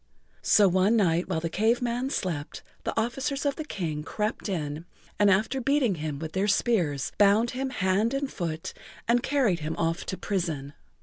So one night while the Cave Man slept the officers of the King crept in, and after[Pg 52] beating him with their spears, bound him hand and foot and carried him off to prison.